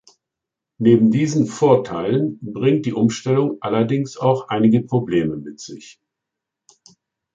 Neben diesen Vorteilen bringt die Umstellung allerdings auch einige Probleme mit sich.